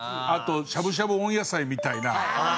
あとしゃぶしゃぶ温野菜みたいな。